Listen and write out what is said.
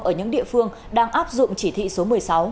ở những địa phương đang áp dụng chỉ thị số một mươi sáu